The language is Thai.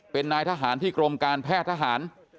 เป็นนายทหารที่กรมการแพทย์ทหาร